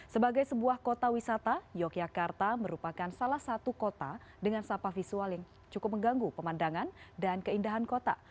sebagai sebuah kota wisata yogyakarta merupakan salah satu kota dengan sampah visual yang cukup mengganggu pemandangan dan keindahan kota